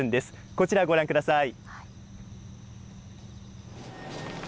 こちらご覧ください。